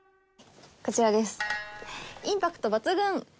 こちらです。